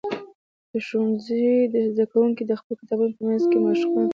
د ښوونځي زده کوونکي د خپلو کتابونو په منځ کې مشقونه کول.